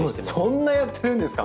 そんなやってるんですか！